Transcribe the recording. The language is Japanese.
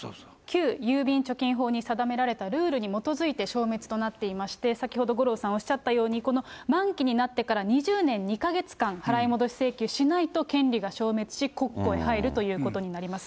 旧郵便貯金法に定められたルールに基づいて、消滅となっていまして、先ほど五郎さんおっしゃったように、この満期になってから２０年２か月間払い戻し請求しないと権利が消滅し、国庫へ入るということになります。